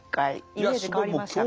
イメージ変わりましたか。